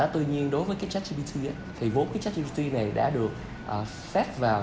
tuy nhiên đối với cái chat gpt thì vốn cái chat gpt này đã được phép vào